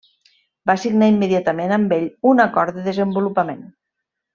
Va signar immediatament amb ell un acord de desenvolupament.